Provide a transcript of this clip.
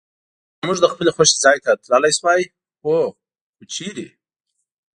آیا موږ د خپل خوښي ځای ته تللای شوای؟ هو. خو چېرته؟